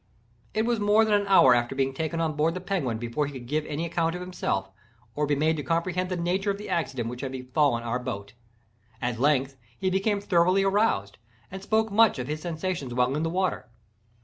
It was more than an hour after being taken on board the Penguin before he could give any account of himself, or be made to comprehend the nature of the accident which had befallen our boat. At length he became thoroughly aroused, and spoke much of his sensations while in the water.